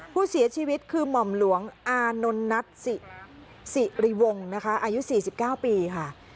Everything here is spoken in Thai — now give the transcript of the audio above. ผู้เสียชีวิตคือหม่อมหลวงอานนนัทสิริวงศ์นะคะอายุ๔๙ปีค่ะ